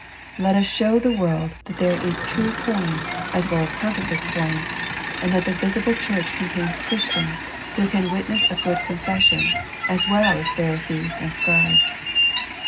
Let us show the world that there is true coin, as well as counterfeit coin, and that the visible Church contains Christians who can witness a good confession, as well as Pharisees and Scribes.